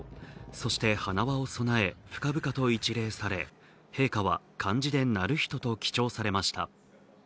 そして花輪を備え、深々と一礼され陛下は、漢字で徳仁と記帳されました。